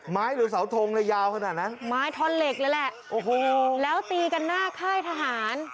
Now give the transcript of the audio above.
หรือเสาทงเลยยาวขนาดนั้นไม้ท่อนเหล็กเลยแหละโอ้โหแล้วตีกันหน้าค่ายทหาร